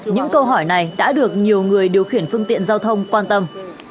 những câu hỏi này đã được nhiều người điều khiển phương tiện giao thông quan tâm